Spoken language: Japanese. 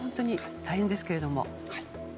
大変ですけども。